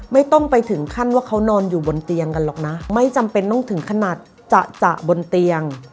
ไม่ต้องไปถึงขั้นว่าเขานอนอยู่บนเตียงกันหรอกนะไม่จำเป็นต้องถึงขนาดจะจะบนเตียง